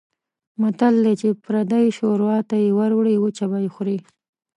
متل دی: چې پردۍ شوروا ته یې وړوې وچه به یې خورې.